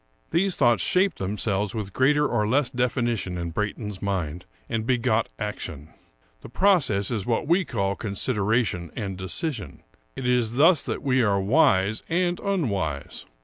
These thoughts shaped themselves with greater or less definition in Brayton's mind, and begot action. The process is what we call consideration and decision. It is thus that we are wise and unwise.